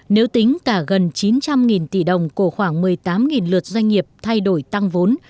nếu tính cả gần chín trăm linh tỷ đồng của khoảng một mươi tám lượt doanh nghiệp thay đổi tăng vốn